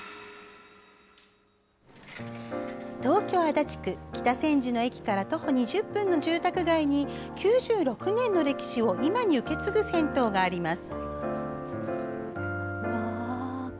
東京・足立区、北千住の駅から徒歩２０分の住宅街に９６年の歴史を今に受け継ぐ銭湯があります。